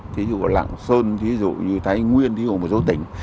thí dụ là lạng sơn thí dụ như thái nguyên thí dụ một số tỉnh